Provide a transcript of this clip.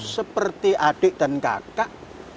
seperti adik dan kakak